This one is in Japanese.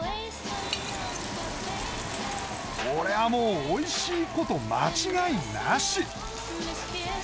これはもうおいしいこと間違いなし！